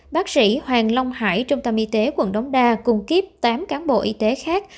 bác sĩ hoàng long hải trung tâm y tế quận đống đa cùng kiếp tám cán bộ y tế khác